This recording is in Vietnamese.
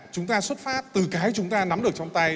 chúng ta xuất phát từ cái chúng ta nắm được trong tay